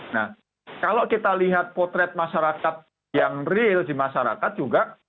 nah kalau kita lihat potret masyarakat yang real di masyarakat juga